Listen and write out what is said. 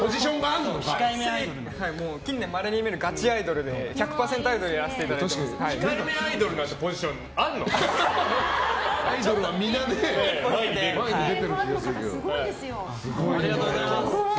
近年まれに見るガチアイドルで１００％アイドルをやらせてもらってます。